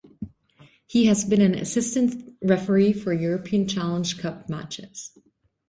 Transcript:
He has been an assistant referee for European Challenge Cup matches.